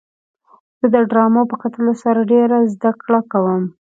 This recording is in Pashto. زه د ډرامو په کتلو سره ډېره زدهکړه کوم.